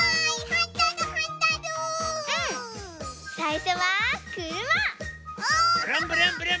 はい。